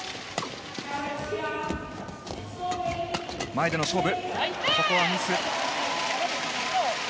前での勝負、ここはミス。